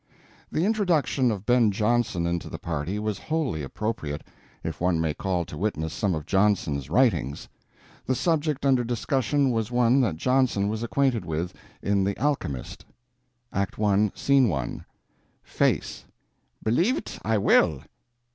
The introduction of Ben Jonson into the party was wholly appropriate, if one may call to witness some of Jonson's writings. The subject under discussion was one that Jonson was acquainted with, in The Alchemist: Act. I, Scene I, FACE: Believe't I will.